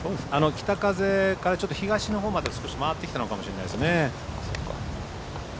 北風からちょっと東のほうまで曲がってきたのかもしれないですね。